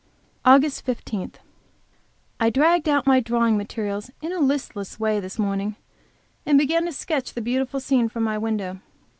AUGUST 15. I dragged out my drawing materials in a listless way this morning, and began to sketch the beautiful scene from my window.